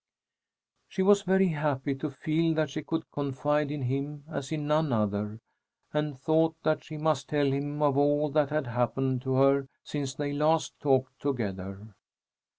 She was very happy to feel that she could confide in him, as in none other, and thought that she must tell him of all that had happened to her since they last talked together.